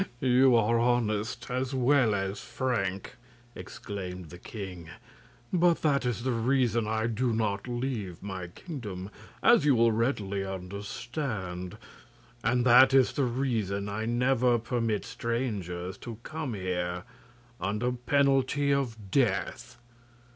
"Ha! you are honest, as well as frank," exclaimed the king. "But that is the reason I do not leave my kingdom, as you will readily understand. And that is the reason I never permit strangers to come here, under penalty of death.